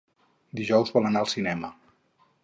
Dijous vol anar al cinema.